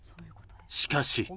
しかし。